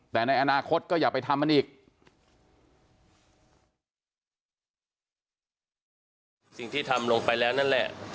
แต่ในอนาคตก็อย่าไปทำมันอีก